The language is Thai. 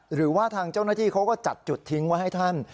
หรือว่าทางเจ้าหน้าที่เขาก็จัดจุดทิ้งไว้ให้ท่าน